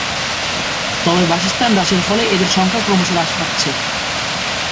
তবে বাসস্থান হ্রাসের ফলে এদের সংখ্যা ক্রমশ হ্রাস পাচ্ছে।